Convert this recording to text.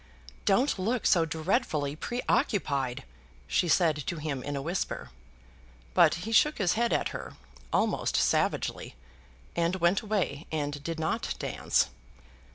"Don't look so dreadfully preoccupied," she said to him in a whisper. But he shook his head at her, almost savagely, and went away, and did not dance.